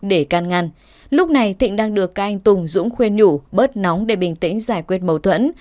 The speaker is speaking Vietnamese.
để can ngăn lúc này thịnh đang được các anh tùng dũng khuyên nhủ bớt nóng để bình tĩnh giải quyết mâu thuẫn